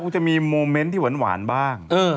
จะมีโมเมนต์ที่หวานบ้าง